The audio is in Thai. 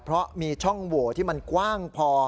เพราะมีช่องโหวที่มันกว้างพอ